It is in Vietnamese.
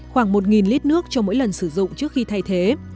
khoảng một lít nước cho mỗi lần sử dụng trước khi thay thế